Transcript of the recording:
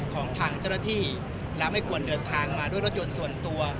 ของทางเจ้าหน้าที่และไม่ควรเดินทางมาด้วยรถยนต์ส่วนตัว